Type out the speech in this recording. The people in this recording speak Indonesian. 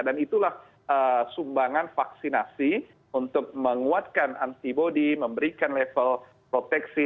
dan itulah sumbangan vaksinasi untuk menguatkan antibody memberikan level proteksi